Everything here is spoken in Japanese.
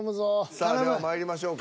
さあではまいりましょうか。